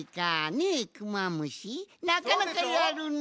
ねえクマムシなかなかやるな。